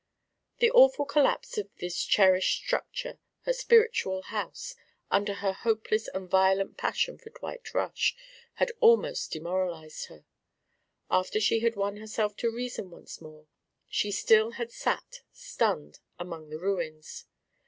The awful collapse of this cherished structure, her spiritual house, under her hopeless and violent passion for Dwight Rush had almost demoralised her. After she had won herself to reason once more, she still had sat, stunned, among the ruins.